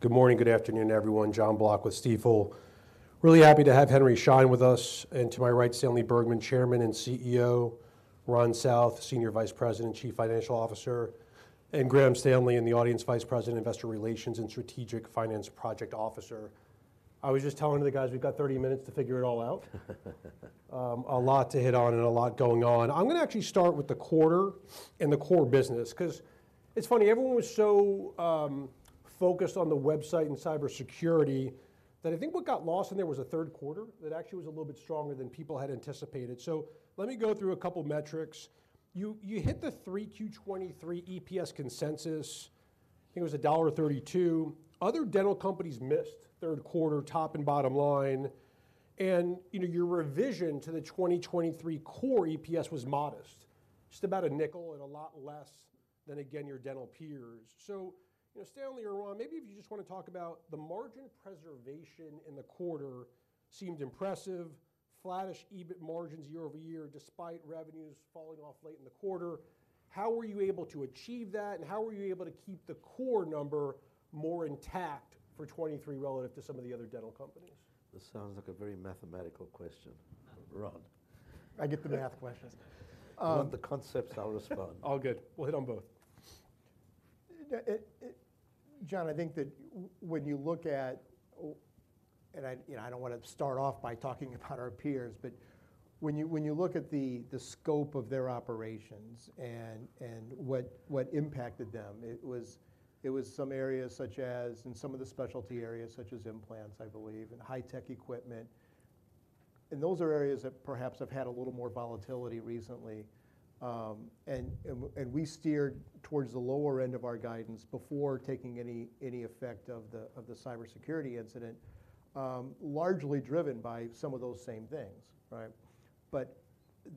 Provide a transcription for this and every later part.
Good morning, good afternoon, everyone. Jon Block with Stifel. Really happy to have Henry Schein with us, and to my right, Stanley Bergman, Chairman and CEO, Ron South, Senior Vice President and Chief Financial Officer, and Graham Stanley, in the audience, Vice President, Investor Relations and Strategic Financial Project Officer. I was just telling the guys, we've got 30 minutes to figure it all out. A lot to hit on and a lot going on. I'm gonna actually start with the quarter and the core business 'cause it's funny, everyone was so focused on the website and cybersecurity, that I think what got lost in there was a Q3 that actually was a little bit stronger than people had anticipated. So let me go through a couple metrics. You hit the Q3 2023 EPS consensus. I think it was $1.32. Other dental companies missed Q3, top and bottom line, and, you know, your revision to the 2023 core EPS was modest, just about a nickel and a lot less than, again, your dental peers. So, you know, Stanley or Ron, maybe if you just wanna talk about the margin preservation in the quarter. Seemed impressive, flattish EBIT margins year-over-year, despite revenues falling off late in the quarter. How were you able to achieve that, and how were you able to keep the core number more intact for 2023 relative to some of the other dental companies? This sounds like a very mathematical question. Ron? I get the math questions. You want the concepts, I'll respond. All good. We'll hit on both. Jon, I think that when you look at, and I, you know, I don't wanna start off by talking about our peers, but when you look at the scope of their operations and what impacted them, it was some areas such as, in some of the specialty areas, such as implants, I believe, and high-tech equipment. And those are areas that perhaps have had a little more volatility recently. And we steered towards the lower end of our guidance before taking any effect of the cybersecurity incident, largely driven by some of those same things, right? But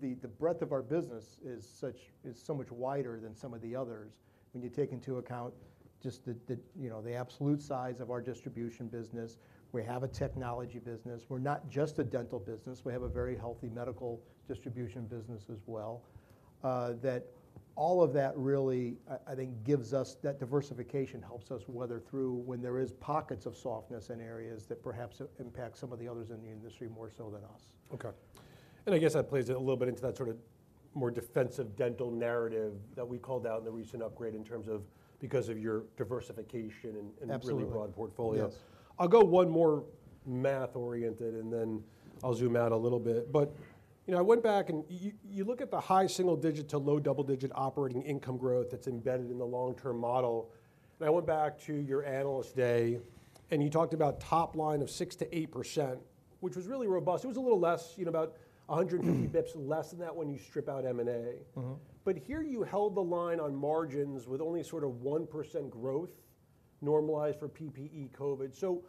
the breadth of our business is such is so much wider than some of the others, when you take into account just the you know, the absolute size of our distribution business. We have a technology business. We're not just a dental business; we have a very healthy medical distribution business as well. That all of that really, I think, gives us that diversification helps us weather through when there is pockets of softness in areas that perhaps impact some of the others in the industry more so than us. Okay. And I guess that plays a little bit into that sort of more defensive dental narrative that we called out in the recent upgrade in terms of, because of your diversification and, and- Absolutely really broad portfolio. Yes. I'll go one more math-oriented, and then I'll zoom out a little bit. But, you know, I went back, and you look at the high single digit to low double-digit operating income growth that's embedded in the long-term model, and I went back to your Analyst Day, and you talked about top line of 6%-8%, which was really robust. It was a little less, you know, about 150 basis points less than that when you strip out M&A. But here you held the line on margins with only sort of 1% growth, normalized for PPE, COVID. So,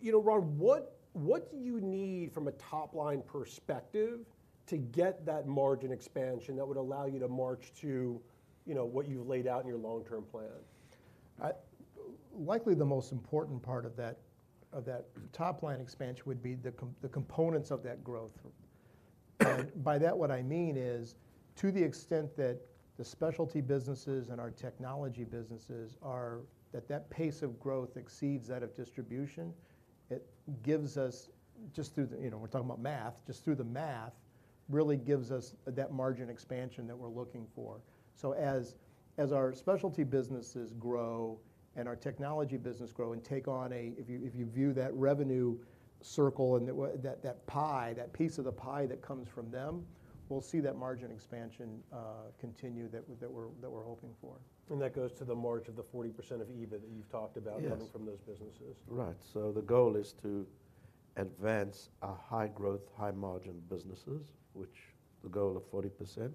you know, Ron, what, what do you need from a top-line perspective to get that margin expansion that would allow you to march to, you know, what you've laid out in your long-term plan? Likely, the most important part of that, of that top-line expansion would be the components of that growth. And by that, what I mean is, to the extent that the specialty businesses and our technology businesses are, that that pace of growth exceeds that of distribution, it gives us, just through the, you know, we're talking about math, just through the math, really gives us that margin expansion that we're looking for. So as our specialty businesses grow and our technology business grow and take on a, If you view that revenue circle and that, that pie, that piece of the pie that comes from them, we'll see that margin expansion continue, that we're hoping for. That goes to the margin of the 40% of EBIT that you've talked about- Yes coming from those businesses. Right. So the goal is to advance our high-growth, high-margin businesses, which the goal of 40%.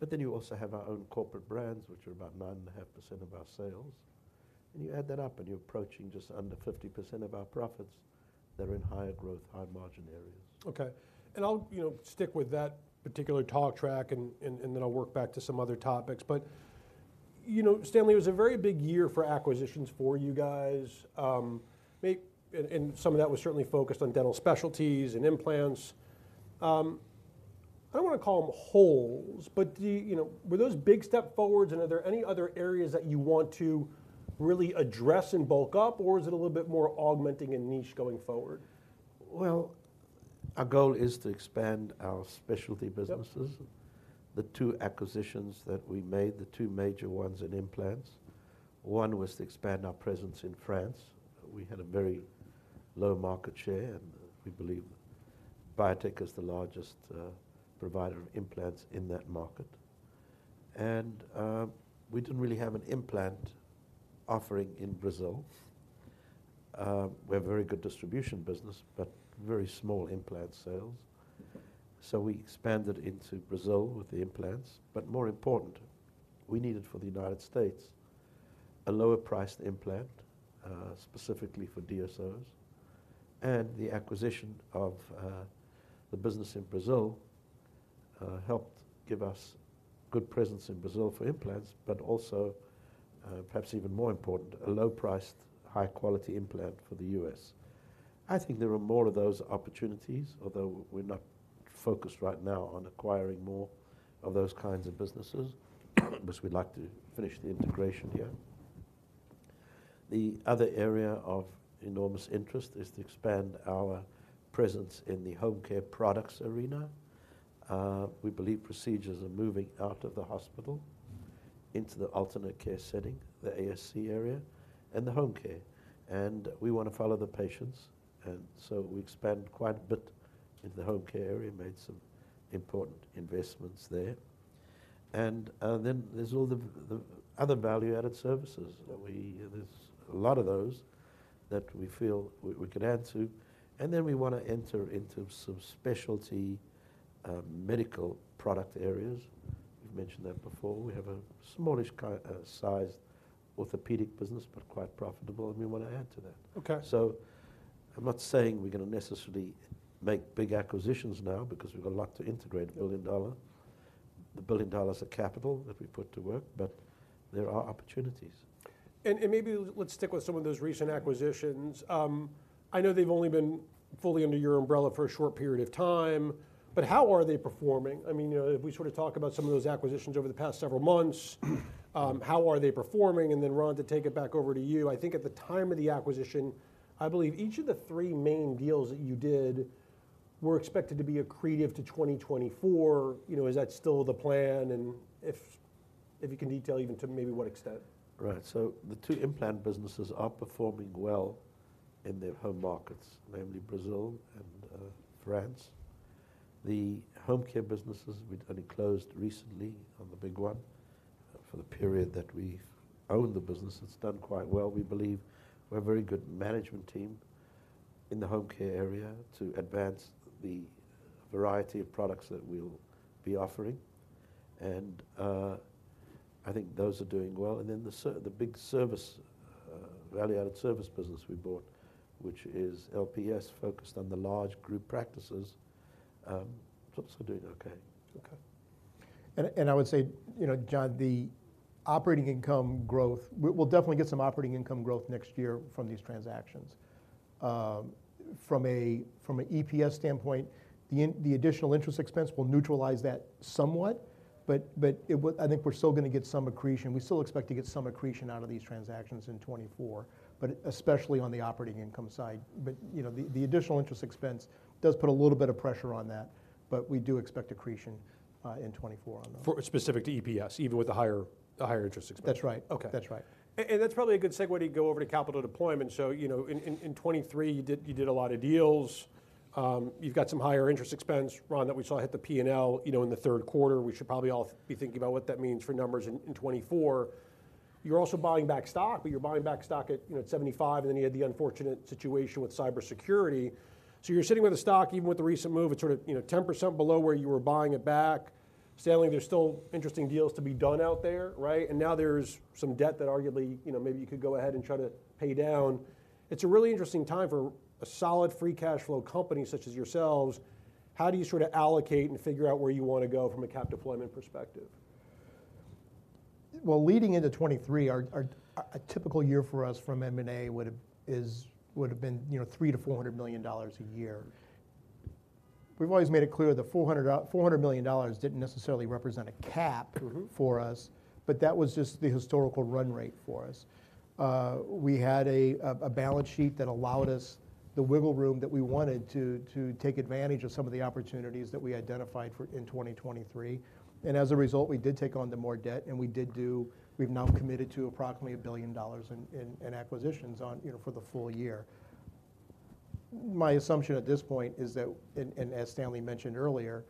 But then you also have our own corporate brands, which are about 9.5% of our sales. And you add that up, and you're approaching just under 50% of our profits that are in higher growth, high-margin areas. Okay. And I'll, you know, stick with that particular talk track, and then I'll work back to some other topics. But, you know, Stanley, it was a very big year for acquisitions for you guys. And some of that was certainly focused on dental specialties and implants. I don't wanna call them holes, but do you, you know, were those big step forwards, and are there any other areas that you want to really address and bulk up, or is it a little bit more augmenting and niche going forward? Well, our goal is to expand our specialty businesses. Yep. The two acquisitions that we made, the two major ones in implants, one was to expand our presence in France. We had a very low market share, and we believe Biotech is the largest provider of implants in that market. We didn't really have an implant offering in Brazil. We have very good distribution business, but very small implant sales. We expanded into Brazil with the implants, but more important, we needed for the United States a lower-priced implant specifically for DSOs, and the acquisition of the business in Brazil helped give us good presence in Brazil for implants, but also, perhaps even more important, a low-priced, high-quality implant for the U.S. I think there are more of those opportunities, although we're not focused right now on acquiring more of those kinds of businesses, because we'd like to finish the integration here. The other area of enormous interest is to expand our presence in the home care products arena. We believe procedures are moving out of the hospital, into the alternate care setting, the ASC area, and the home care. And we want to follow the patients, and so we expanded quite a bit into the home care area, made some important investments there. And then there's all the other value-added services that we-- there's a lot of those that we feel we can add to. And then, we wanna enter into some specialty medical product areas. We've mentioned that before. We have a smallish size orthopedic business, but quite profitable, and we want to add to that. Okay. I'm not saying we're gonna necessarily make big acquisitions now, because we've got a lot to integrate, $1 billion. The $1 billion of capital that we put to work, but there are opportunities. And maybe let's stick with some of those recent acquisitions. I know they've only been fully under your umbrella for a short period of time, but how are they performing? I mean, you know, if we sort of talk about some of those acquisitions over the past several months, how are they performing? And then, Ron, to take it back over to you, I think at the time of the acquisition, I believe each of the three main deals that you did were expected to be accretive to 2024. You know, is that still the plan? And if you can detail even to maybe what extent? Right. So the two implant businesses are performing well in their home markets, namely Brazil and France. The home care businesses, we'd only closed recently on the big one. For the period that we've owned the business, it's done quite well. We believe we have a very good management team in the home care area to advance the variety of products that we'll be offering, and I think those are doing well. And then, the big service value-added service business we bought, which is LPS, focused on the large group practices, so those are doing okay. Okay. I would say, you know, Jon, the operating income growth, we'll definitely get some operating income growth next year from these transactions. From an EPS standpoint, the additional interest expense will neutralize that somewhat, but it will, I think we're still gonna get some accretion. We still expect to get some accretion out of these transactions in 2024, but especially on the operating income side. But, you know, the additional interest expense does put a little bit of pressure on that, but we do expect accretion in 2024 on those. For specific to EPS, even with the higher, the higher interest expense? That's right. Okay. That's right. And that's probably a good segue to go over to capital deployment. So, you know, in 2023, you did a lot of deals. You've got some higher interest expense, Ron, that we saw hit the P&L, you know, in the Q3. We should probably all be thinking about what that means for numbers in 2024. You're also buying back stock, but you're buying back stock at, you know, $75, and then you had the unfortunate situation with cybersecurity. So you're sitting with the stock, even with the recent move, it's sort of, you know, 10% below where you were buying it back. Stanley, there's still interesting deals to be done out there, right? And now there's some debt that arguably, you know, maybe you could go ahead and try to pay down. It's a really interesting time for a solid free cash flow company such as yourselves. How do you sort of allocate and figure out where you want to go from a cap deployment perspective? Well, leading into 2023, a typical year for us from M&A would have been, you know, $300 million-$400 million a year. We've always made it clear the $400 million didn't necessarily represent a cap- for us, but that was just the historical run rate for us. We had a balance sheet that allowed us the wiggle room that we wanted to take advantage of some of the opportunities that we identified for 2023. And as a result, we did take on the more debt, and we did do. We've now committed to approximately $1 billion in acquisitions, you know, for the full year. My assumption at this point is that, and as Stanley mentioned earlier,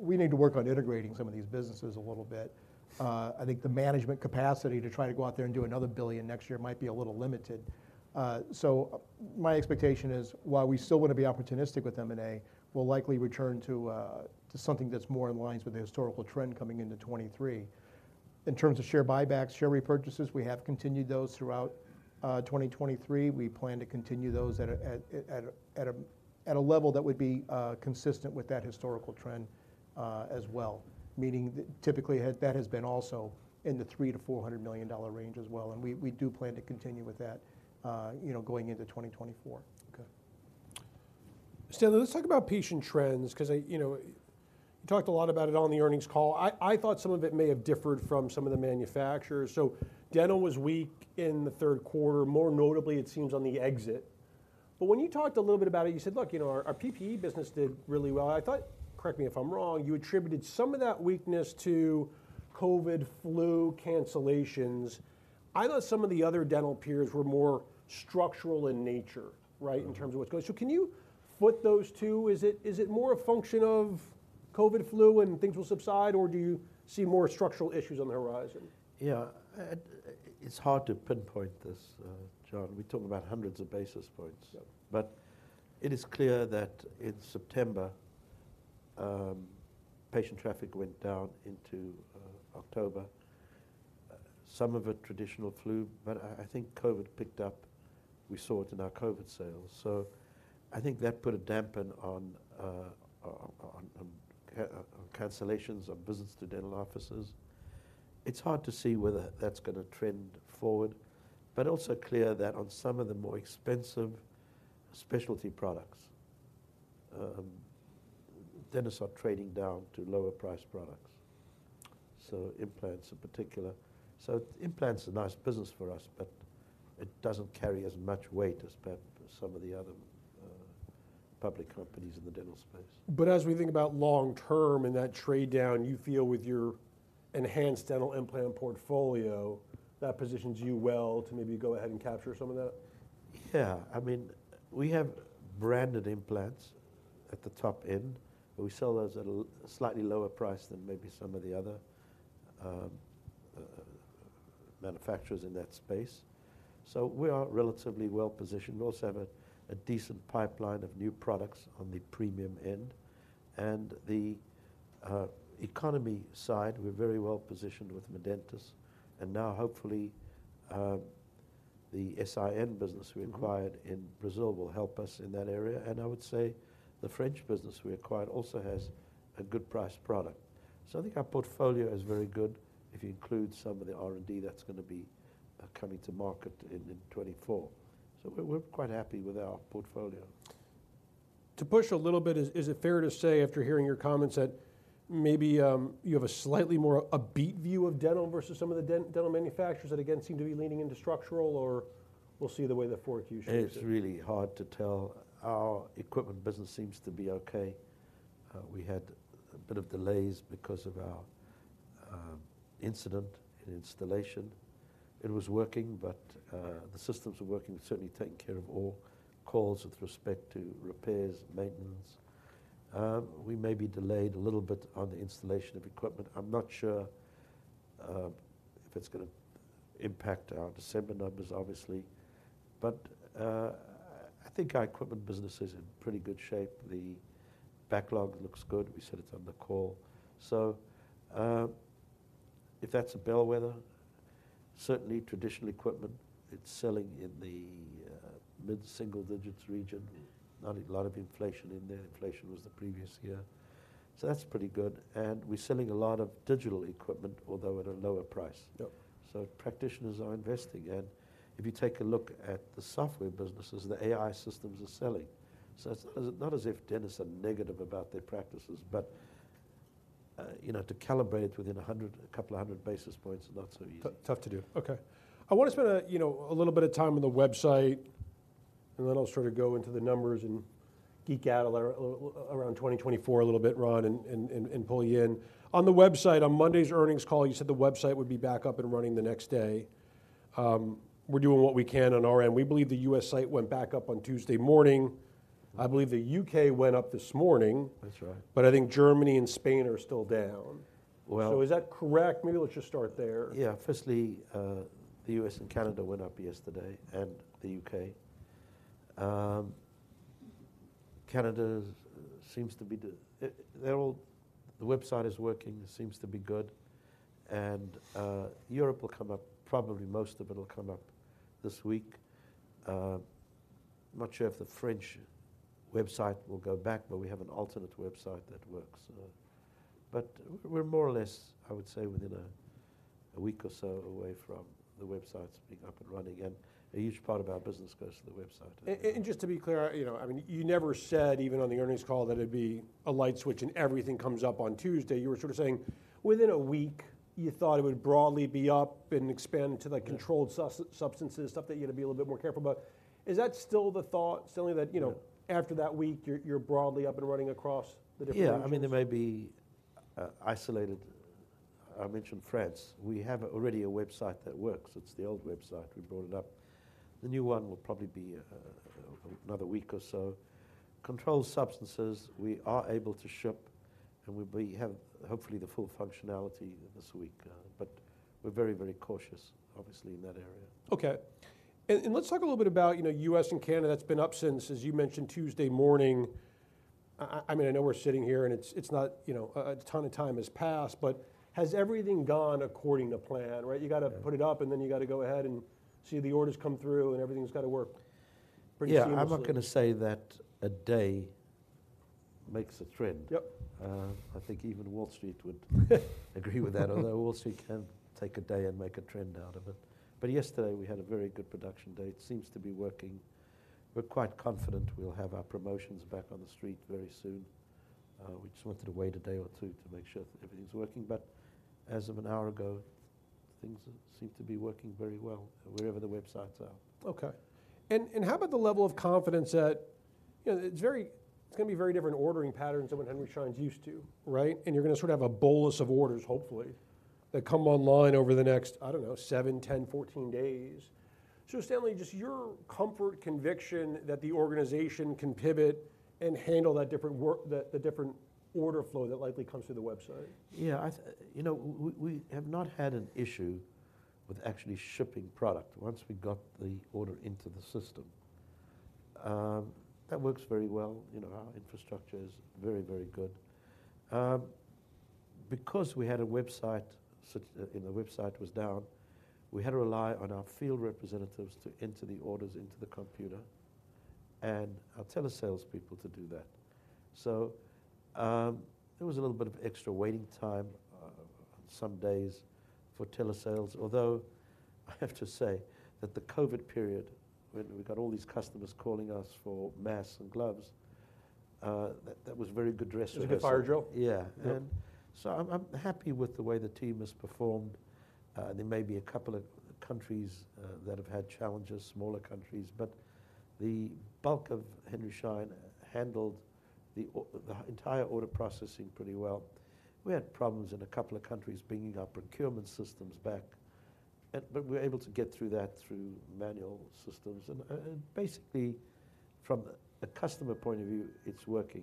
we need to work on integrating some of these businesses a little bit. I think the management capacity to try to go out there and do another $1 billion next year might be a little limited. So my expectation is, while we still want to be opportunistic with M&A, we'll likely return to, to something that's more in lines with the historical trend coming into 2023. In terms of share buybacks, share repurchases, we have continued those throughout, 2023. We plan to continue those at a level that would be, consistent with that historical trend, as well. Meaning that typically, that has been also in the $300 million-$400 million range as well, and we do plan to continue with that, you know, going into 2024. Okay. Stanley, let's talk about patient trends, 'cause I, you know, you talked a lot about it on the earnings call. I thought some of it may have differed from some of the manufacturers. So dental was weak in the Q3, more notably, it seems, on the exit. But when you talked a little bit about it, you said, "Look, you know, our, our PPE business did really well." I thought, correct me if I'm wrong, you attributed some of that weakness to COVID flu cancellations. I thought some of the other dental peers were more structural in nature, right? in terms of what's going. So can you put those two... Is it, is it more a function of COVID flu and things will subside, or do you see more structural issues on the horizon? Yeah. It's hard to pinpoint this, Jon. We're talking about hundreds of basis points. Yep. But it is clear that in September, patient traffic went down into October. Some of it traditional flu, but I think COVID picked up. We saw it in our COVID sales. So I think that put a damper on cancellations of visits to dental offices. It's hard to see whether that's gonna trend forward, but also clear that on some of the more expensive specialty products, dentists are trading down to lower price products, so implants in particular. So implants are a nice business for us, but it doesn't carry as much weight as perhaps some of the other public companies in the dental space. But as we think about long term and that trade down, you feel with your enhanced dental implant portfolio, that positions you well to maybe go ahead and capture some of that? Yeah. I mean, we have branded implants at the top end, but we sell those at a slightly lower price than maybe some of the other manufacturers in that space. So we are relatively well positioned. We also have a decent pipeline of new products on the premium end. And the economy side, we're very well positioned with Medentis, and now hopefully the SIN business we acquired in Brazil will help us in that area. And I would say the French business we acquired also has a good price product. So I think our portfolio is very good if you include some of the R&D that's gonna be coming to market in 2024. So we're quite happy with our portfolio. To push a little bit, is it fair to say, after hearing your comments, that maybe you have a slightly more upbeat view of dental versus some of the dental manufacturers, that again seem to be leaning into structural, or we'll see the way the Q4 shapes up? It's really hard to tell. Our equipment business seems to be okay. We had a bit of delays because of our incident in installation. It was working, but the systems were working, certainly taking care of all calls with respect to repairs, maintenance. We may be delayed a little bit on the installation of equipment. I'm not sure if it's gonna impact our December numbers, obviously, but I think our equipment business is in pretty good shape. The backlog looks good. We said it on the call. So, if that's a bellwether, certainly traditional equipment, it's selling in the mid-single digits region. Not a lot of inflation in there. Inflation was the previous year. So that's pretty good, and we're selling a lot of digital equipment, although at a lower price. Yep. So practitioners are investing, and if you take a look at the software businesses, the AI systems are selling. So it's not as if dentists are negative about their practices, but, you know, to calibrate within 100, a couple of 100 basis points is not so easy. Tough, tough to do. Okay. I wanna spend a, you know, a little bit of time on the website, and then I'll sort of go into the numbers and geek out a little around 2024 a little bit, Ron, and pull you in. On the website, on Monday's earnings call, you said the website would be back up and running the next day. We're doing what we can on our end. We believe the U.S. site went back up on Tuesday morning. I believe the U.K. went up this morning That's right But I think Germany and Spain are still down. Well- Is that correct? Maybe let's just start there. Yeah. Firstly, the U.S. and Canada went up yesterday, and the U.K. Canada seems to be the, they're all, the website is working, seems to be good, and, Europe will come up, probably most of it will come up this week. Not sure if the French website will go back, but we have an alternate website that works. But we're more or less, I would say, within a week or so away from the websites being up and running, and a huge part of our business goes to the website. Just to be clear, you know, I mean, you never said, even on the earnings call, that it'd be a light switch and everything comes up on Tuesday. You were sort of saying, within a week, you thought it would broadly be up and expand to the- Yeah Controlled substances, stuff that you had to be a little bit more careful about. Is that still the thought, Stanley, that, you know- Yeah After that week, you're broadly up and running across the different regions? Yeah. I mean, there may be isolated. I mentioned France. We have already a website that works. It's the old website. We brought it up. The new one will probably be another week or so. Controlled substances, we are able to ship, and we have, hopefully, the full functionality this week. But we're very, very cautious, obviously, in that area. Okay. Let's talk a little bit about, you know, U.S. and Canada. That's been up since, as you mentioned, Tuesday morning. I mean, I know we're sitting here, and it's not, you know, a ton of time has passed, but has everything gone according to plan, right? You gotta put it up, and then you gotta go ahead and see the orders come through, and everything's gotta work pretty seamlessly. Yeah. I'm not gonna say that a day makes a trend. Yep. I think even Wall Street would agree with that, although Wall Street can take a day and make a trend out of it. But yesterday, we had a very good production day. It seems to be working. We're quite confident we'll have our promotions back on the street very soon. We just wanted to wait a day or two to make sure that everything's working, but as of an hour ago, things seem to be working very well, wherever the websites are. Okay. And how about the level of confidence that, you know, it's very—it's gonna be very different ordering patterns than what Henry Schein's used to, right? And you're gonna sort of have a bolus of orders, hopefully, that come online over the next, I don't know, seven, 10, 14 days. So Stanley, just your comfort, conviction that the organization can pivot and handle that different work, the different order flow that likely comes through the website? Yeah, You know, we have not had an issue with actually shipping product once we got the order into the system. That works very well. You know, our infrastructure is very, very good. Because we had a website sit, and the website was down, we had to rely on our field representatives to enter the orders into the computer, and our telesales people to do that. So, there was a little bit of extra waiting time, some days for telesales. Although, I have to say that the COVID period, when we got all these customers calling us for masks and gloves, that was very good dress rehearsal. It was a good fire drill? Yeah. Yep. I'm happy with the way the team has performed. There may be a couple of countries that have had challenges, smaller countries, but the bulk of Henry Schein handled the entire order processing pretty well. We had problems in a couple of countries bringing our procurement systems back, but we were able to get through that through manual systems. And basically, from a customer point of view, it's working,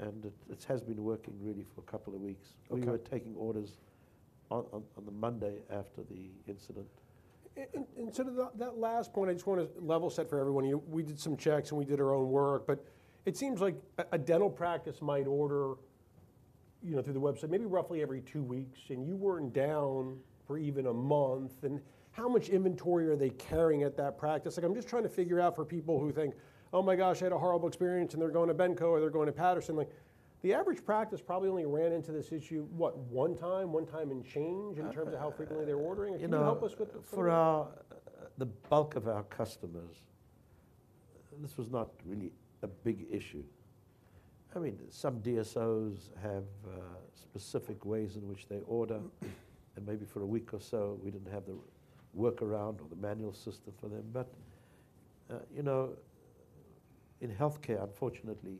and it has been working really for a couple of weeks. Okay. We were taking orders on the Monday after the incident. So that last point, I just want to level set for everyone. We did some checks, and we did our own work, but it seems like a dental practice might order, you know, through the website, maybe roughly every two weeks, and you weren't down for even a month. And how much inventory are they carrying at that practice? Like, I'm just trying to figure out for people who think, "Oh my gosh, I had a horrible experience," and they're going to Benco, or they're going to Patterson. Like, the average practice probably only ran into this issue, what? One time, one time and change in terms of how frequently they're ordering? You know- Can you help us with the- For the bulk of our customers, this was not really a big issue. I mean, some DSOs have specific ways in which they order, and maybe for a week or so, we didn't have the workaround or the manual system for them. But you know, in healthcare, unfortunately,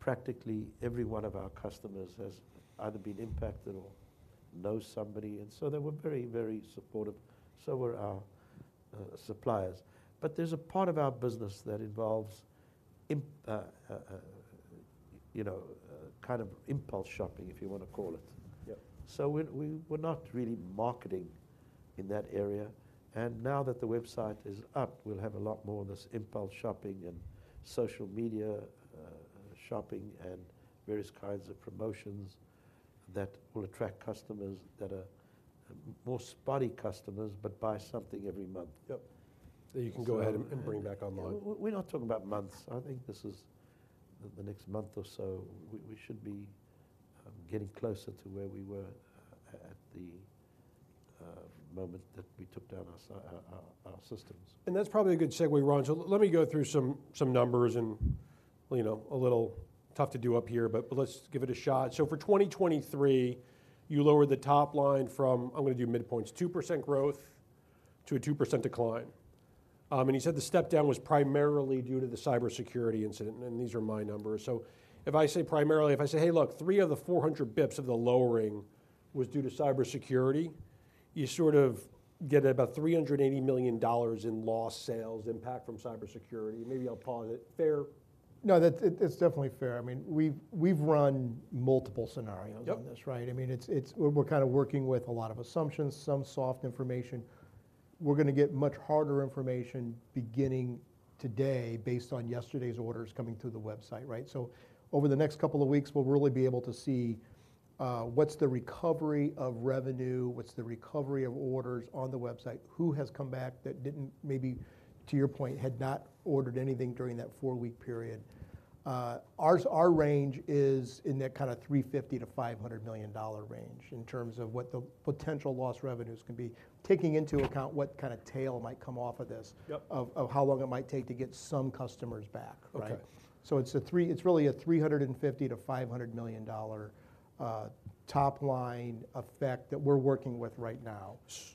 practically every one of our customers has either been impacted or knows somebody, and so they were very, very supportive. So were our suppliers. But there's a part of our business that involves, you know, kind of impulse shopping, if you want to call it. So we're not really marketing in that area, and now that the website is up, we'll have a lot more of this impulse shopping and social media shopping, and various kinds of promotions that will attract customers that are more spotty customers but buy something every month. Yep. So you can go ahead and bring it back online. We're not talking about months. I think this is... the next month or so, we should be getting closer to where we were at our systems. That's probably a good segue, Ron. Let me go through some, some numbers, and, you know, a little tough to do up here, but let's give it a shot. For 2023, you lowered the top line from, I'm gonna do midpoints, 2% growth to a 2% decline. And you said the step down was primarily due to the cybersecurity incident, and these are my numbers. So if I say primarily, if I say, "Hey, look, three of the 400 pips of the lowering was due to cybersecurity," you sort of get about $380 million in lost sales impact from cybersecurity. Maybe I'll pause it. Fair? No, that it, it's definitely fair. I mean, we've run multiple scenarios on this, right? I mean, it's, we're kind of working with a lot of assumptions, some soft information. We're gonna get much harder information beginning today, based on yesterday's orders coming through the website, right? So over the next couple of weeks, we'll really be able to see, what's the recovery of revenue, what's the recovery of orders on the website, who has come back that didn't, maybe, to your point, had not ordered anything during that four-week period. Our range is in that kind of $350 million-$500 million range in terms of what the potential lost revenues can be, taking into account what kind of tail might come off of this- Yep of how long it might take to get some customers back, right? Okay. It's really a $350 million-$500 million top-line effect that we're working with right now.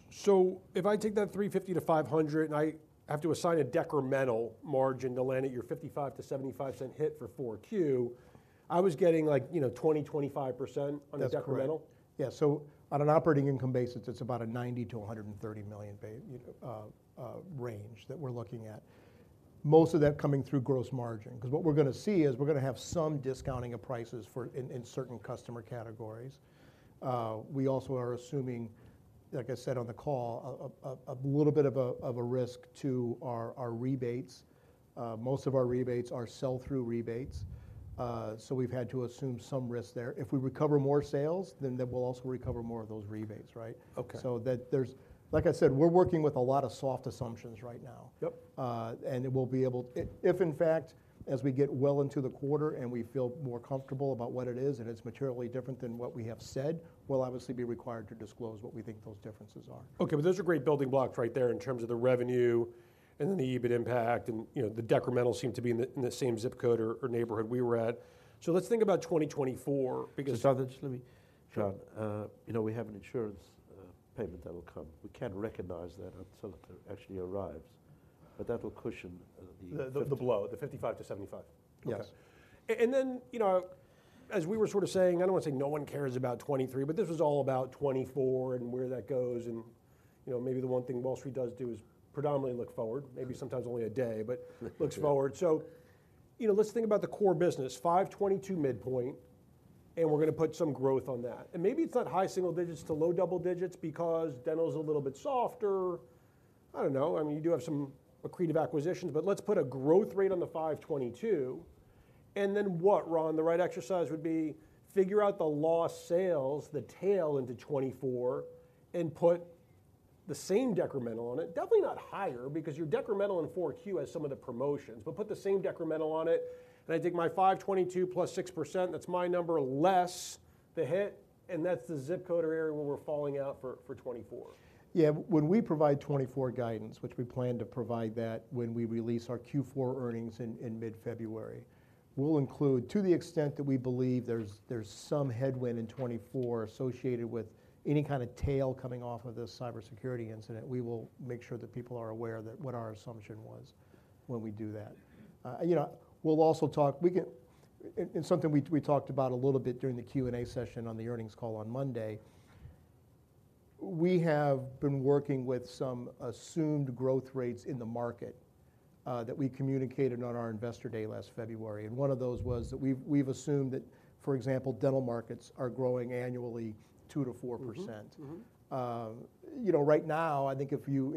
So if I take that $350 million-$500 million, and I have to assign a decremental margin to land at your $0.55-$0.75 hit for Q4, I was getting, like, you know, 20%-25% on the decremental? That's correct. Yeah, so on an operating income basis, it's about a $90 million-$130 million range that we're looking at. Most of that coming through gross margin, 'cause what we're gonna see is, we're gonna have some discounting of prices for certain customer categories. We also are assuming, like I said on the call, a little bit of a risk to our rebates. Most of our rebates are sell-through rebates, so we've had to assume some risk there. If we recover more sales, then we'll also recover more of those rebates, right? Okay. So that there's. Like I said, we're working with a lot of soft assumptions right now. Yep. We'll be able, if in fact, as we get well into the quarter, and we feel more comfortable about what it is, and it's materially different than what we have said, we'll obviously be required to disclose what we think those differences are. Okay, but those are great building blocks right there in terms of the revenue and then the EBIT impact, and, you know, the decremental seem to be in the, in the same zip code or, or neighborhood we were at. So let's think about 2024, because- So just let me Jon, you know, we have an insurance payment that will come. We can't recognize that until it actually arrives, but that will cushion the- The blow, the 55-75. Yes. Okay. And then, you know, as we were sort of saying, I don't want to say no one cares about 2023, but this is all about 2024 and where that goes, and, you know, maybe the one thing Wall Street does do is predominantly look forward, maybe sometimes only a day - but looks forward. So, you know, let's think about the core business, $522 midpoint, and we're gonna put some growth on that. And maybe it's not high single digits to low double digits because dental's a little bit softer. I don't know. I mean, you do have some accretive acquisitions, but let's put a growth rate on the $522... and then what, Ron? The right exercise would be figure out the lost sales, the tail into 2024, and put the same decremental on it. Definitely not higher, because your decremental in Q4 has some of the promotions, but put the same decremental on it, and I take my $522 +6%, that's my number, less the hit, and that's the zip code or area where we're falling out for, for 2024. Yeah, when we provide 2024 guidance, which we plan to provide that when we release our Q4 earnings in mid-February, we'll include, to the extent that we believe there's some headwind in 2024 associated with any kind of tail coming off of this cybersecurity incident, we will make sure that people are aware that what our assumption was when we do that. You know, we'll also talk and something we talked about a little bit during the Q&A session on the earnings call on Monday, we have been working with some assumed growth rates in the market that we communicated on our Investor Day last February, and one of those was that we've assumed that, for example, dental markets are growing annually 2%-4%. You know, right now, I think if you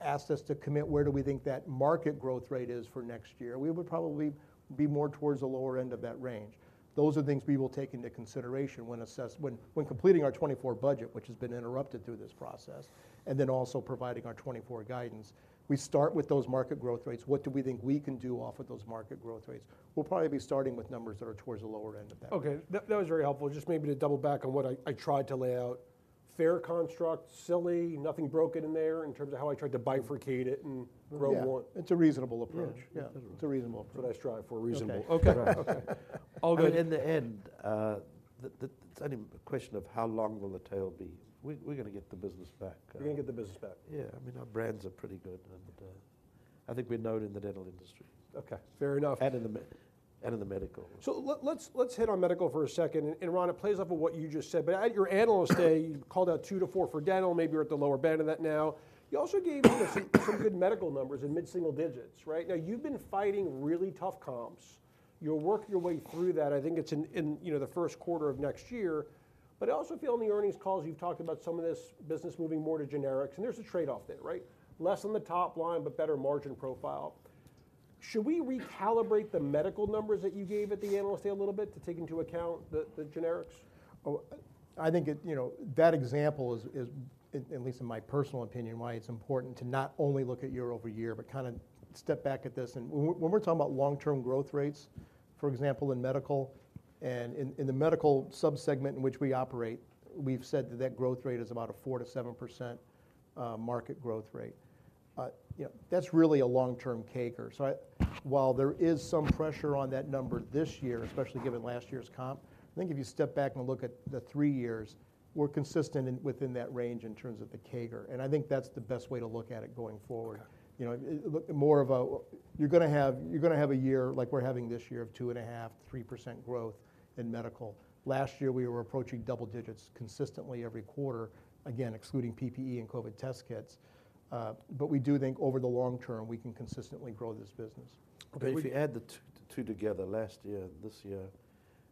asked us to commit, where do we think that market growth rate is for next year? We would probably be more towards the lower end of that range. Those are things we will take into consideration when completing our 2024 budget, which has been interrupted through this process, and then also providing our 2024 guidance. We start with those market growth rates. What do we think we can do off of those market growth rates? We'll probably be starting with numbers that are towards the lower end of that. Okay, that was very helpful. Just maybe to double back on what I tried to lay out. Fair construct, silly, nothing broken in there in terms of how I tried to bifurcate it and grow more? Yeah, it's a reasonable approach. Yeah. Yeah, it's a reasonable approach. That's what I strive for, reasonable. Okay. Okay. Alright. In the end, it's only a question of how long will the tail be? We're gonna get the business back. You're gonna get the business back. Yeah, I mean, our brands are pretty good, and, I think we're known in the dental industry. Okay, fair enough. And in the medical. So let's hit on medical for a second, and Ron, it plays off of what you just said, but at your Analyst Day, you called out two to four for dental, maybe you're at the lower band of that now. You also gave us some good medical numbers in mid-single digits, right? Now, you've been fighting really tough comps. You're working your way through that. I think it's in you know the Q1 of next year. But I also feel on the earnings calls, you've talked about some of this business moving more to generics, and there's a trade-off there, right? Less on the top line, but better margin profile. Should we recalibrate the medical numbers that you gave at the Analyst Day a little bit to take into account the generics? Well, I think it, you know, that example is, is, at least in my personal opinion, why it's important to not only look at year-over-year, but kind of step back at this. When we're talking about long-term growth rates, for example, in medical, and in, in the medical subsegment in which we operate, we've said that that growth rate is about a 4%-7% market growth rate. Yeah, that's really a long-term CAGR. While there is some pressure on that number this year, especially given last year's comp, I think if you step back and look at the three years, we're consistent within that range in terms of the CAGR, and I think that's the best way to look at it going forward. Okay. You know, look, more of a, you're gonna have, you're gonna have a year like we're having this year of 2.5%-3% growth in medical. Last year, we were approaching double digits consistently every quarter, again, excluding PPE and COVID test kits, but we do think over the long term, we can consistently grow this business. Okay, if you- But if you add the two together, last year, this year,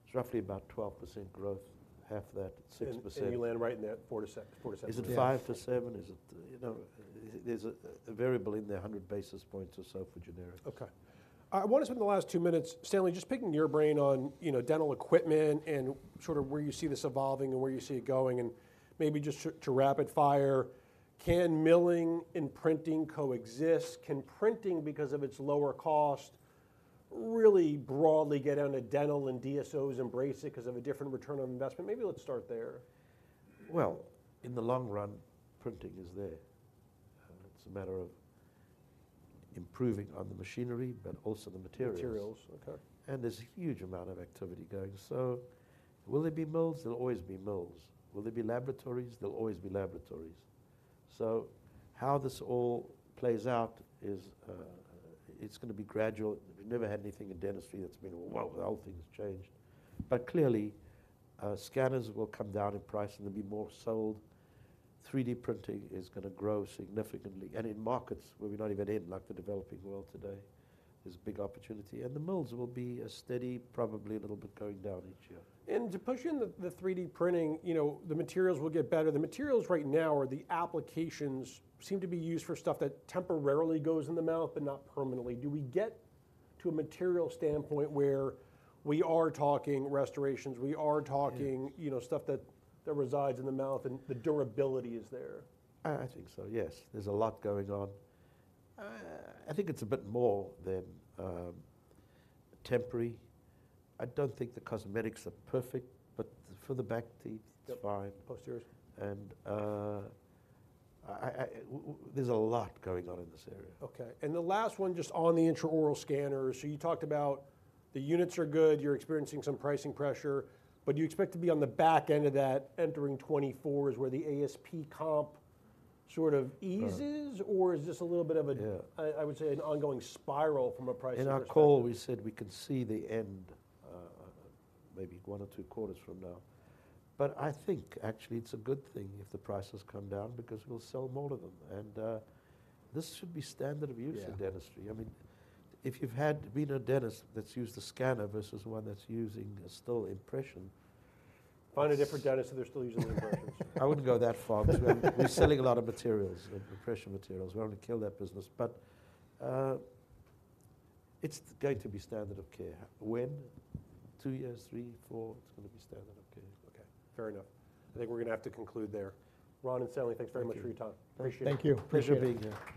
it's roughly about 12% growth, half of that, 6%. You land right in that four to seven. Yeah. Is it five to seven? You know, there's a variable in there, 100 basis points or so for generics. Okay. I wanna spend the last two minutes, Stanley, just picking your brain on, you know, dental equipment and sort of where you see this evolving and where you see it going, and maybe just to rapid fire, can milling and printing coexist? Can printing, because of its lower cost, really broadly get down to dental and DSOs embrace it 'cause of a different return on investment? Maybe let's start there. Well, in the long run, printing is there. It's a matter of improving on the machinery, but also the materials. Materials, okay. There's a huge amount of activity going. So will there be mills? There'll always be mills. Will there be laboratories? There'll always be laboratories. So how this all plays out is, it's gonna be gradual. We've never had anything in dentistry that's been, "Well, the whole thing has changed." But clearly, scanners will come down in price and they'll be more sold. 3D printing is gonna grow significantly, and in markets where we're not even in, like the developing world today, there's a big opportunity. And the mills will be a steady, probably a little bit going down each year. To push you on the 3D printing, you know, the materials will get better. The materials right now or the applications seem to be used for stuff that temporarily goes in the mouth, but not permanently. Do we get to a material standpoint where we are talking restorations, we are talking, you know, stuff that resides in the mouth and the durability is there? I think so, yes. There's a lot going on. I think it's a bit more than temporary. I don't think the cosmetics are perfect, but for the back teeth it's fine. Posteriors. There's a lot going on in this area. Okay, and the last one, just on the intraoral scanners. So you talked about the units are good, you're experiencing some pricing pressure, but do you expect to be on the back end of that entering 2024, is where the ASP comp sort of eases? Right. Or is this a little bit of a—I would say, an ongoing spiral from a pricing perspective? In our call, we said we could see the end, maybe one or two quarters from now. But I think actually it's a good thing if the prices come down, because we'll sell more of them, and, this should be standard of use in dentistry. I mean, if you've been a dentist that's used the scanner versus one that's using a still impression- Find a different dentist if they're still using impressions. I wouldn't go that far because we're selling a lot of materials, impression materials. We don't want to kill that business, but it's going to be standard of care. When? two years, three, four it's gonna be standard of care. Okay, fair enough. I think we're gonna have to conclude there. Ron and Stanley, thanks very much for your time. Thank you. Appreciate it. Thank you. Appreciate it. Pleasure being here.